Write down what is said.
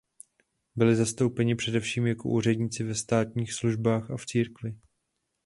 Byli zastoupeni především jako úředníci ve státních službách a v církvi.